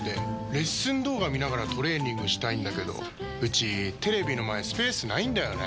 レッスン動画見ながらトレーニングしたいんだけどうちテレビの前スペースないんだよねー。